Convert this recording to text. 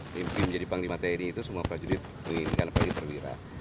mimpi menjadi panglima tni itu semua prajurit menginginkan peri perwira